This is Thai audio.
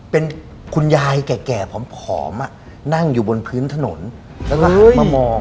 เป็นคุณยายแก่ผอมนั่งอยู่บนพื้นถนนแล้วก็หันมามอง